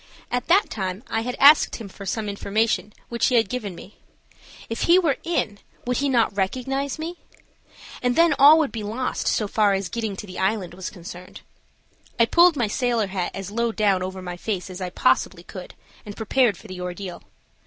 At that time I had asked him for some information which he had given me. If he were in, would he not recognize me? And then all would be lost so far as getting to the island was concerned. I pulled my sailor hat as low down over my face as I possibly could, and prepared for the ordeal.